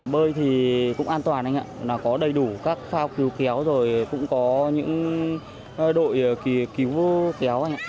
bơi thì cũng an toàn anh ạ có đầy đủ các phao cứu kéo rồi cũng có những đội cứu kéo